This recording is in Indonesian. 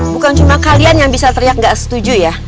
bukan cuma kalian yang bisa teriak nggak setuju ya